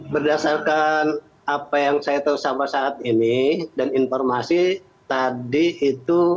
berdasarkan apa yang saya tahu sampai saat ini dan informasi tadi itu